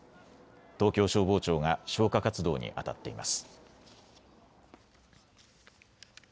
東京消防庁が消火活動にあたっています。